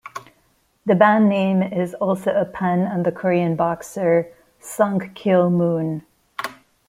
The band name is also a pun on the Korean boxer Sung-Kil Moon.